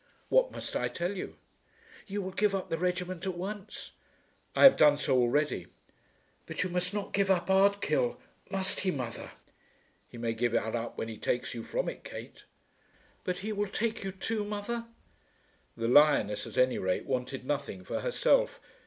"What must I tell you?" "You will give up the regiment at once?" "I have done so already." "But you must not give up Ardkill; must he, mother?" "He may give it up when he takes you from it, Kate." "But he will take you too, mother?" The lioness at any rate wanted nothing for herself.